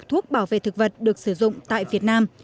thuốc bảo vệ thực vật được sử dụng tại việt nam